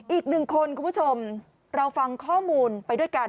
อีกหนึ่งคนคุณผู้ชมเราฟังข้อมูลไปด้วยกัน